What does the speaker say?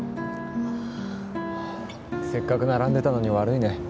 せっかく並んでたのに悪いね